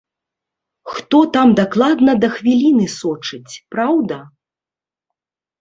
Хто там дакладна да хвіліны сочыць, праўда?